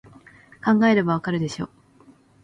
考えればわかるでしょ